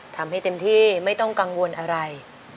ทำให้เต็มที่ไม่ต้องกังวลอะไร